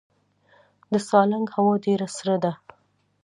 د سالنګ هوا ډیره سړه ده